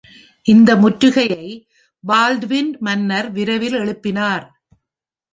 இந்த முற்றுகையை பால்ட்வின் மன்னர் விரைவில் எழுப்பினார்.